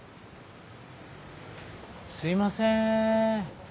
すいません。